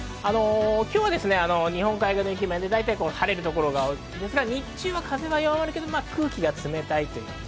今日は日本海側の雪、段々、晴れる所あるんですが日中は風は弱まるけれども空気が冷たいと。